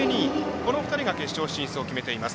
この２人が決勝進出を決めています。